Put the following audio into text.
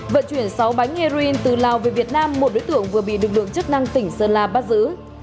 vận chuyển sáu bánh heroin từ lào về việt nam một đối tượng vừa bị lực lượng chức năng tỉnh sơn la bắt giữ